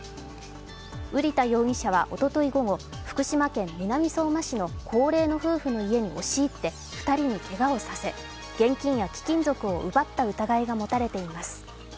瓜田容疑者はおととい午後福島県南相馬市の高齢の夫婦の家に押し入って２人にけがをさせ、現金や貴金属を奪った疑いが持たれています。